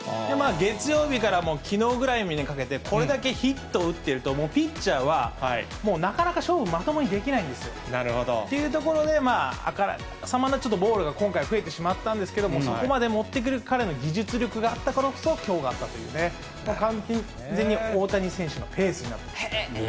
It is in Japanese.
月曜日からきのうぐらいにかけて、これだけヒットを打ってると、もうピッチャーは、もうなかなか勝負、まともにできないんですよ。というところで、あからさまなボールが今回、増えてしまったんですけれども、そこまで持ってくる彼の技術力があったからこそきょうがあったというね、完全に大谷選手のペースになってます。